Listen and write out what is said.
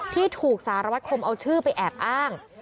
ที่ถูกสารวัตคมเอาชื่อไปแอบอ้าง